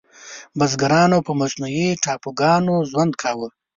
بزګرانو په مصنوعي ټاپوګانو ژوند کاوه.